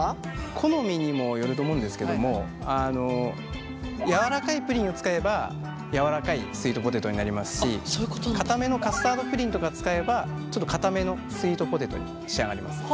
好みにもよると思うんですけども柔らかいプリンを使えば柔らかいスイートポテトになりますしかためのカスタードプリンとか使えばちょっとかためのスイートポテトに仕上がります。